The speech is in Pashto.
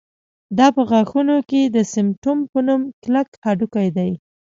دا په غاښونو کې د سېمنټوم په نوم کلک هډوکی دی